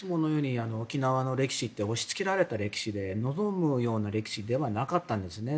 沖縄の歴史って押し付けられた歴史で望むような歴史ではなかったんですね。